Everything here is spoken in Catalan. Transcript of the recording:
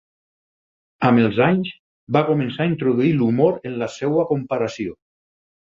Amb els anys, va començar a introduir l'humor en la seva comparació.